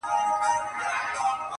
څاڅکي څاڅکي څڅېدلې له انګوره,